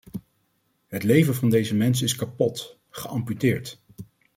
Het leven van deze mensen is kapot, geamputeerd.